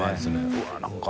うわっ何か。